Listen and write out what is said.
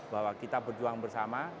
bahwa kita berjuang bersama